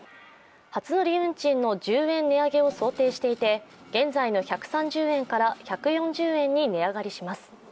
初乗り運賃の１０円値上げを想定していて現在の１３０円から１４０円に値上がりします。